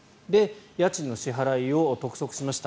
家賃の支払いを督促しました。